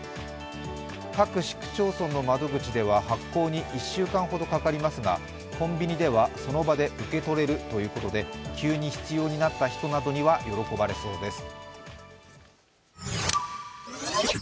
各市区町村の窓口では発行に１週間ほどかかりますがコンビニではその場で受け取れるということで急に必要になった人などには喜ばれそうです。